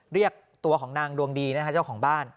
เรียกตัวของนางดวงดีนะฮะเจ้าของบ้าน